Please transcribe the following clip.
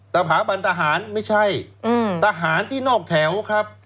สถาบันทหารไม่ใช่ทหารที่นอกแถวครับ